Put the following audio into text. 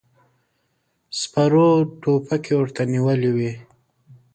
سپرو ټوپکې ورته نيولې وې.